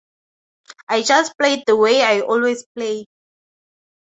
I just played the way I always play.